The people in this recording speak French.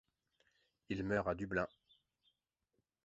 Il meurt à Dublin.